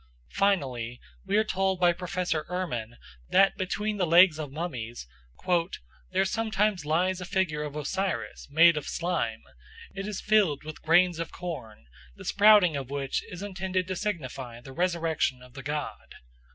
Finally, we are told by Professor Erman that between the legs of mummies "there sometimes lies a figure of Osiris made of slime; it is filled with grains of corn, the sprouting of which is intended to signify the resurrection of the god."